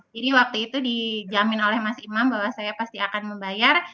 jadi waktu itu dijamin oleh mas imam bahwa saya pasti akan membayar